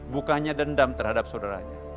bukannya dendam terhadap saudaranya